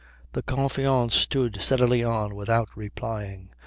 The Confiance stood steadily on without replying.